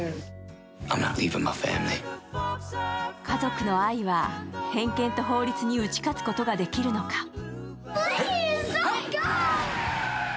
家族の愛は偏見と法律に打ち勝つことができるのか？